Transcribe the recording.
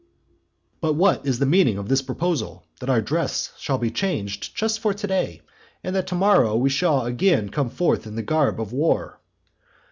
But what is the meaning of this proposal that our dress shall be changed just for to day, and that to morrow we should again come forth in the garb of war?